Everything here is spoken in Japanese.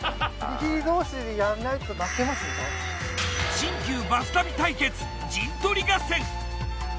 新旧バス旅対決陣取り合戦。